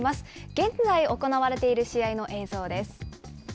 現在行われている試合の映像です。